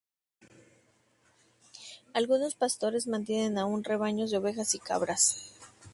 Algunos pastores mantienen aún rebaños de ovejas y cabras.